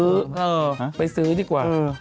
เออไปซื้อดีกว่า